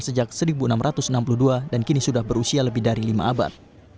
sejak seribu enam ratus enam puluh dua dan kini sudah berusia lebih dari lima abad